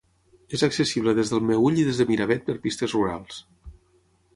És accessible des del Meüll i des de Miravet per pistes rurals.